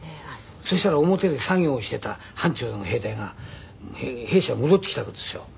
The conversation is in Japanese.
そしたら表で作業をしていた班長さんが兵隊が兵士が戻ってきたわけですよ。